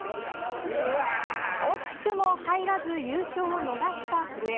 惜しくも入らず優勝を逃した古江。